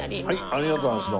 ありがとうございます。